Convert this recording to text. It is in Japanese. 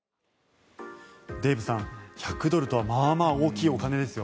デーブさん１００ドルとはまあまあ大きいお金ですよ。